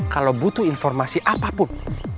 kalau butuh informasi apapun